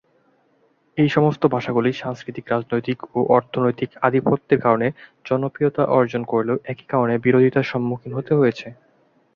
এই সমস্ত ভাষাগুলি সাংস্কৃতিক, রাজনৈতিক ও অর্থনৈতিক আধিপত্যের কারণে জনপ্রিয়তা অর্জন করলেও একই কারণে বিরোধিতার সম্মুখিন হতে হয়েছে।